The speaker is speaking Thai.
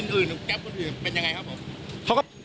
หรือแก๊ปคนอื่นเป็นยังไงครับผม